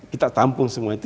kita tampung semua itu